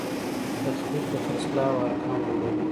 تخفیف د خرڅلاو ارقام لوړوي.